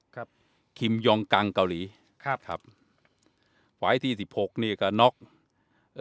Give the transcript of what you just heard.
ครับคิมยองกังเกาหลีครับครับไฟล์ที่สิบหกนี่ก็น็อกเอ่อ